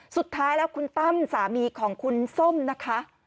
สุดท้ายแล้วคุณตั้มสามีของคุณส้มนะคะ